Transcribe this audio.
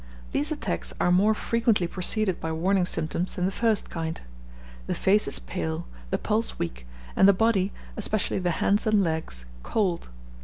These attacks are more frequently preceded by warning symptoms than the first kind. The face is pale, the pulse weak, and the body, especially the hands and legs, cold.